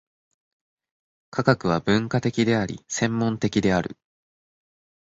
科学は分科的であり、専門的である。